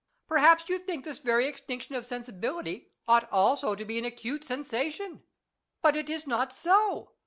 Perhaps you think this very extinction of sensibility ought also to be an acute sensa tion ? But it is not so.